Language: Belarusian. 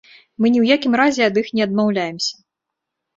Мы ні ў якім разе ад іх не адмаўляемся.